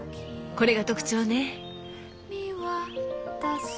これが特徴ね。